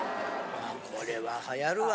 これは流行るわ！